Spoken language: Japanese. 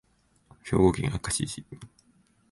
兵庫県明石市